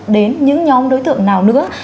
đến những nhóm đối tượng nào nữa